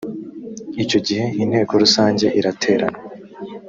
icyo gihe inteko rusange iraterana